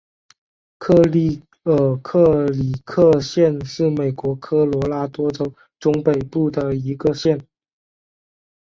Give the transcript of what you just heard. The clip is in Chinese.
克利尔克里克县是美国科罗拉多州中北部的一个县。